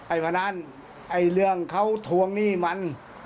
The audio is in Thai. พนันไอ้เรื่องเขาทวงหนี้มัน